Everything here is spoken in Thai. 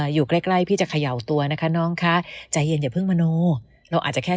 อยู่ใกล้ใกล้พี่จะเขย่าตัวนะคะน้องคะใจเย็นอย่าเพิ่งมโนเราอาจจะแค่